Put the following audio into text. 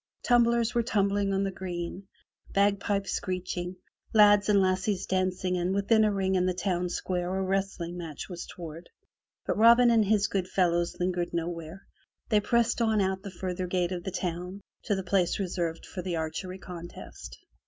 Tumblers were tumbling on the green, bag pipes screeching, lads and lassies dancing, and within a ring in the town square a wrest ling match was toward. But Robin and his good fellows lingered nowhere. They pressed on out the further gate of the town to the place reserved for the archery contest.